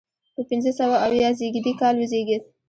په پنځه سوه اویا زیږدي کال وزیږېد.